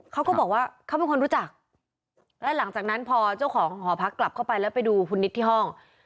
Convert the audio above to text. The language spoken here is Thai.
เขาก็บอกว่าเขาเป็นคนรู้จักแล้วหลังจากนั้นพอเจ้าของหอพักกลับเข้าไปแล้วไปดูคุณนิดที่ห้อง